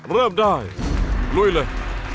เริ่มได้ลุยเลย